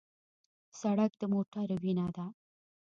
سړک د موټرو وینه ده.